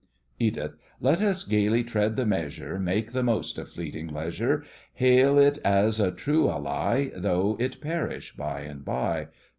EDITH: Let us gaily tread the measure, Make the most of fleeting leisure, Hail it as a true ally, Though it perish by and by.